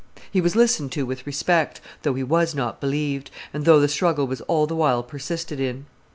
He was listened to with respect, though he was not believed, and though the struggle was all the while persisted in.